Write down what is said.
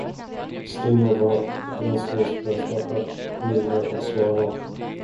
Stina var gränslöst frestad att niga och svara.